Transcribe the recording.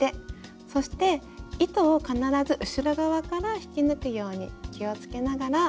そして糸を必ず後ろ側から引き抜くように気をつけながら編んでいって下さい。